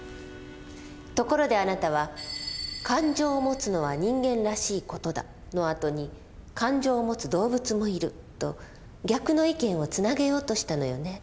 ところであなたは「感情を持つのは人間らしい事だ」の後に「感情を持つ動物もいる」と逆の意見をつなげようとしたのよね。